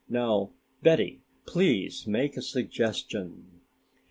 Now, Betty, please make a suggestion."